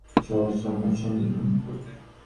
সে অবশ্য আমার সঙ্গেই ভ্রমণ করবে।